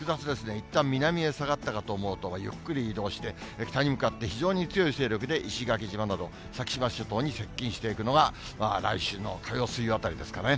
いったん南へ下がったかと思うと、ゆっくり移動して、北に向かって非常に強い勢力で石垣島など、先島諸島に接近していくのは、来週の火曜、水曜あたりですかね。